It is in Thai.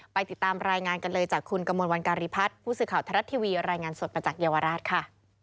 ติดตามรายงานกันเลยจากคุณกมลวันการีพัฒน์ผู้สื่อข่าวทรัฐทีวีรายงานสดมาจากเยาวราชค่ะ